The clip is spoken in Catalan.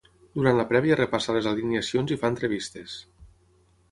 Durant la prèvia repassa les alineacions i fa entrevistes.